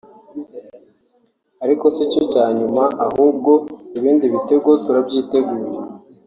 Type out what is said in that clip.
ariko sicyo cya nyuma ahubwo ibindi bitego turabyiteguye